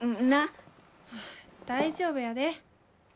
大丈夫やで。